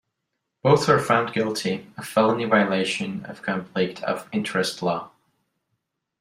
Both were found guilty of felony violation of conflict of interest law.